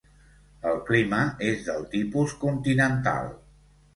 El clima és del tipus continental.